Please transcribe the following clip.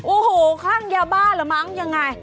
โอ้โหคลั่งยาบ้าเหรอมั้งยังไง